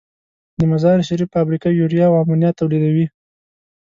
د مزارشریف فابریکه یوریا او امونیا تولیدوي.